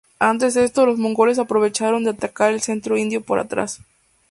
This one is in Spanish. Ante esto, los mogoles aprovecharon de atacar el centro indio por atrás.